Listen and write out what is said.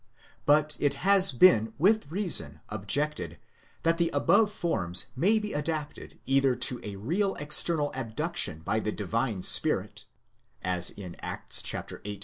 But it has been with reason objected,® that the above forms may be adapted either to a real external abduction by the Divine Spirit (as in Acts viii.